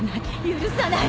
許さない！